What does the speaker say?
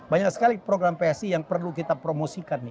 banyak sekali program psi yang perlu kita promosikan nih